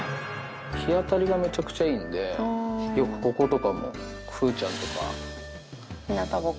日当たりがめちゃくちゃいいんで、よくこことかも、風ちゃんとか。ひなたぼっこ？